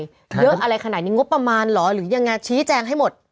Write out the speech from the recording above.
เยอะอะไรขนาดนี้งบประมาณเหรอหรือยังไงชี้แจงให้หมด